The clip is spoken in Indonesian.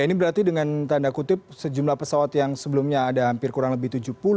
ini berarti dengan tanda kutip sejumlah pesawat yang sebelumnya ada hampir kurang lebih tujuh puluh